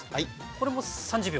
これも３０秒。